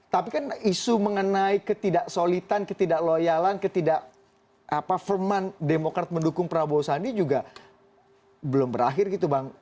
tapi kan isu mengenai ketidak solitan ketidak loyalan ketidak apa ferman demokrat mendukung prabowo sandi juga belum berakhir gitu bang